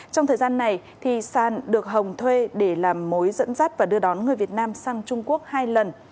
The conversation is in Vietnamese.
trong thời gian này sàn được hồng thuê để làm mối dẫn dắt và đưa đón người việt nam sang trung quốc hai lần